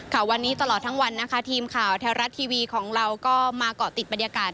วันนี้ตลอดทั้งวันนะคะทีมข่าวแท้รัฐทีวีของเราก็มาเกาะติดบรรยากาศ